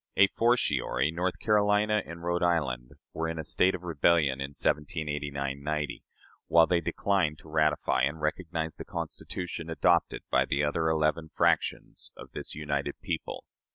A fortiori, North Carolina and Rhode Island were in a state of rebellion in 1789 '90, while they declined to ratify and recognize the Constitution adopted by the other eleven fractions of this united people.